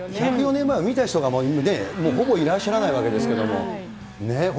１０４年前を見た人がね、もうほぼいらっしゃらないわけですけれども。